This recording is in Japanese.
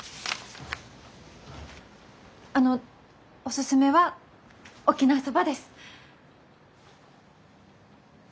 あのおすすめは沖縄そばです。